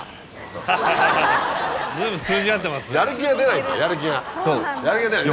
随分通じ合ってますね。